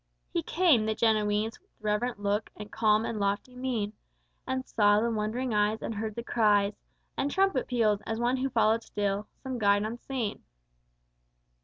He came, the Genoese, With reverent look and calm and lofty mien, And saw the wondering eyes and heard the cries And trumpet peals, as one who followed still Some Guide unseen.